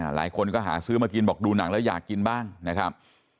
หลายคนก็หาซื้อมากินบอกดูหนังแล้วอยากกินบ้างนะครับ